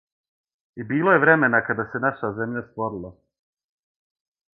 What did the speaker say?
И било је времена када се наша земља створила